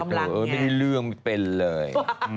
โธ่ละเลยไม่ได้เลื่องเป็นเลย